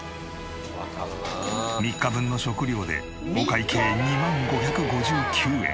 ３日分の食料でお会計２万５５９円。